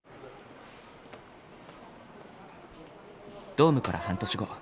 ドームから半年後